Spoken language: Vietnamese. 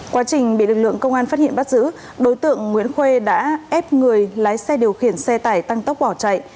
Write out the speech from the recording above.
quá trình bị lực lượng công an phát hiện bắt giữ đối tượng nguyễn khuê đã ép người lái xe điều khiển xe tải tăng tốc bỏ chạy